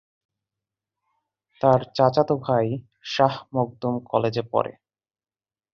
তার চাচাতো ভাই শাহ মখদুম কলেজে পড়ে।